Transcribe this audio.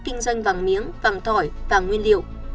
kinh doanh vàng miếng vàng thỏi vàng nguyên liệu